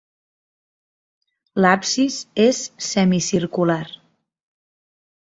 L'absis és semicircular.